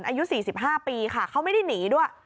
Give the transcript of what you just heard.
อายุ๔๕ปีค่ะเขาไม่ได้หนีด้วย